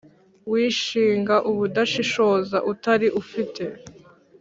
wishinga ubudashishoza utari ufite